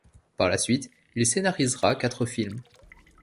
Par la suite, il scénarisera quatre films.